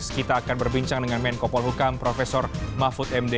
kita akan berbincang dengan menko polhukam prof mahfud md